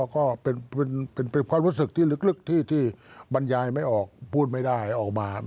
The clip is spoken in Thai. ก็เป็นความรู้สึกที่ลึกที่บรรยายไม่ออกพูดไม่ได้ออกมา